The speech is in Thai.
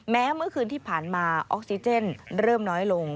เมื่อคืนที่ผ่านมาออกซิเจนเริ่มน้อยลง